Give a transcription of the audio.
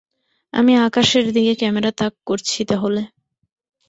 আমি আকাশের দিকে ক্যামেরা তাক করছি তাহলে।